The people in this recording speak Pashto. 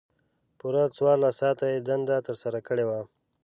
پوره څوارلس ساعته یې دنده ترسره کړې وه.